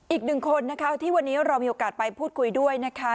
อีกหนึ่งคนนะคะที่วันนี้เรามีโอกาสไปพูดคุยด้วยนะคะ